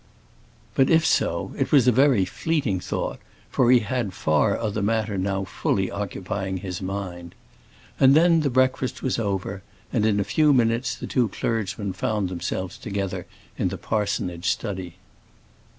But, if so, it was a very fleeting thought, for he had far other matter now fully occupying his mind. And then the breakfast was over, and in a few minutes the two clergymen found themselves together in the parsonage study.